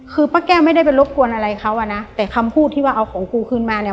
คือป้าแก้วไม่ได้ไปรบกวนอะไรเขาอ่ะนะแต่คำพูดที่ว่าเอาของกูคืนมาเนี่ย